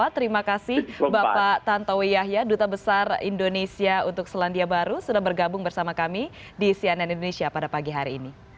terima kasih bapak tantowi yahya duta besar indonesia untuk selandia baru sudah bergabung bersama kami di cnn indonesia pada pagi hari ini